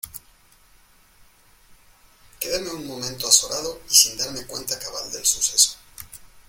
quedéme un momento azorado y sin darme cuenta cabal del suceso.